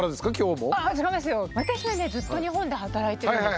私はねずっと日本で働いてるんですよ。